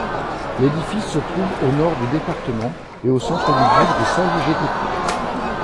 L’édifice se trouve au nord du département et au centre du bourg de Saint-Léger-des-Prés.